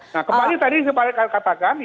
nah kembali tadi saya katakan